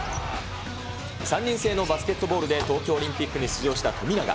３人制のバスケットボールで、東京オリンピックに出場した富永。